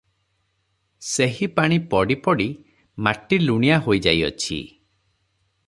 ସେହି ପାଣି ପଡ଼ି ପଡ଼ି ମାଟି ଲୁଣିଆ ହୋଇ ଯାଇଅଛି ।